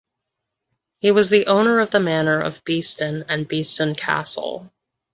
He was the owner of the manor of Beeston and Beeston Castle.